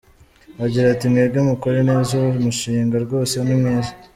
Agira ati “Mwebwe mukore neza uwo mushinga rwose ni mwiza.